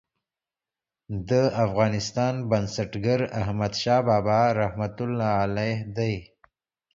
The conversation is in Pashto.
د افغانستان بنسټګر احمدشاه بابا رحمة الله علیه دی.